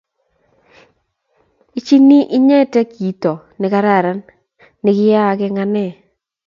ichi inyete kito ne kararan ne kiyaaka Eng' ane